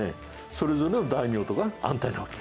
それぞれの大名とかは安泰なわけ。